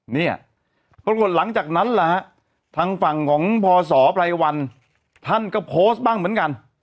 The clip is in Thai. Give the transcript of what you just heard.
เนี่ยปรากฏหลังจากนั้นแหละฮะทางฝั่งของพศไพรวันท่านก็โพสต์บ้างเหมือนกัน